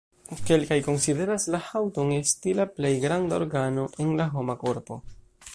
Kelkaj konsideras la haŭton esti la plej granda organo en la homa korpo.